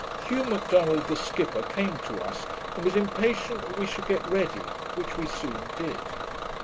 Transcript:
Hugh M'Donald, the skipper, came to us, and was impatient that we should get ready, which we soon did.